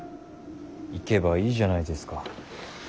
行けばいいじゃないですか。